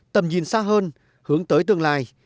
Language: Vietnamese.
tầm nhìn xa hơn hướng tới tương lai